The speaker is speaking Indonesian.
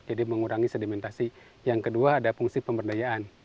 jadi mengurangi sedimentasi yang kedua ada fungsi pemberdayaan